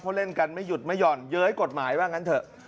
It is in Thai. เขาเล่นกันไม่หยุดไม่ห่อนเย้ยกฎหมายว่างั้นเถอะ